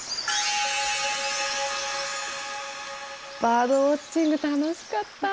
バードウォッチング楽しかった。